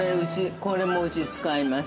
◆これも、うち使います。